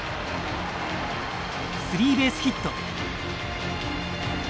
スリーベースヒット。